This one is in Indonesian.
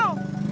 oh ini dia